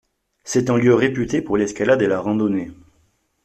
C'est un lieu réputé pour l'escalade et la randonnée.